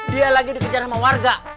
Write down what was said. dia lagi dikejar sama warga